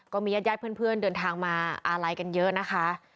ก็มียกรยักษาเพื่อนเดินทางมาอารัยกันเยอะนะคะ